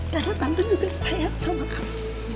karena tante juga sayang sama kamu